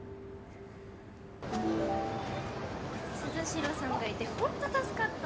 ・鈴代さんがいてホント助かった。